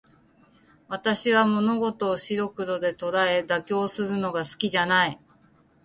私は物事を白黒で捉え、妥協するのが好きじゃない。